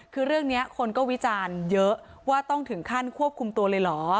คือเรื่องนี้คนก็วิจารณ์เยอะว่าต้องถึงขั้นควบคุมตัวเลยเหรอ